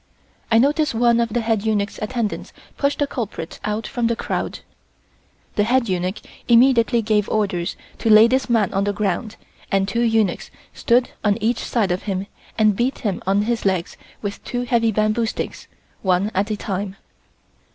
I noticed one of the head eunuch's attendants push the culprit out from the crowd. The head eunuch immediately gave orders to lay this man on the ground and two eunuchs stood on each side of him and beat him on his legs with two heavy bamboo sticks one at a time.